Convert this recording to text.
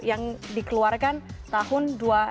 yang dikeluarkan tahun dua ribu tujuh belas